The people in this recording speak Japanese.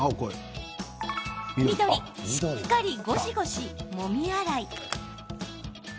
緑・しっかりゴシゴシもみ洗い。